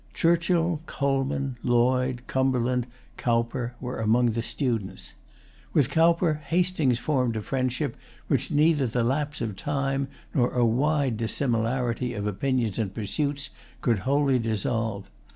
Churchill, Colman, Lloyd, Cumberland, Cowper, were among the students. With Cowper, Hastings formed a friendship which neither the lapse of time, nor a wide dissimilarity of opinions and pursuits, could wholly dissolve.